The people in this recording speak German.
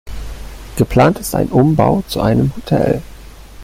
Geplant ist ein Umbau zu einem Hotel.